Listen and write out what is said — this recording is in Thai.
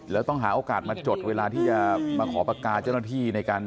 แล้วต้องหาโอกาสมาจดเวลาที่จะมาขอปากกาเจ้าหน้าที่ในการ